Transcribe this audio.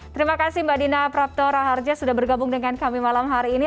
terima kasih mbak dina prapto raharja sudah bergabung dengan kami malam hari ini